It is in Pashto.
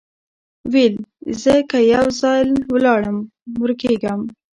ویل زه که یو ځل ولاړمه ورکېږم